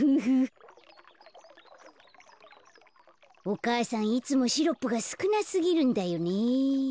お母さんいつもシロップがすくなすぎるんだよね。